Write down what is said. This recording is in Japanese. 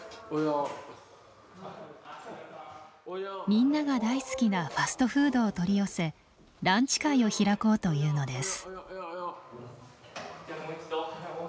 みんなが大好きなファストフードを取り寄せランチ会を開こうというのです。